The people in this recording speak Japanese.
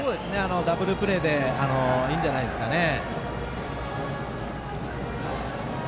ダブルプレーでいいんじゃないですかね。